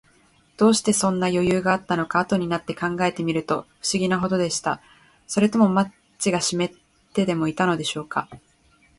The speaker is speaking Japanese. どうして、そんなよゆうがあったのか、あとになって考えてみると、ふしぎなほどでした。それともマッチがしめってでもいたのでしょうか。